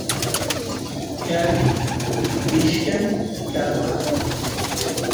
qari kutichkan palqa